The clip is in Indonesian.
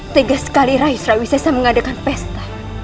tegas sekali rai surawisya mengadakan pesta